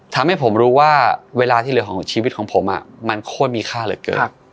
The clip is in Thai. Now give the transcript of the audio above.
ทำให้ผมรู้ว่าเวลาที่เหลือของชีวิตของผมมันโคตรมีค่าเหลือเกิน